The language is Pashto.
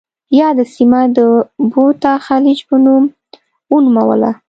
یاده سیمه د بوتا خلیج په نوم ونوموله.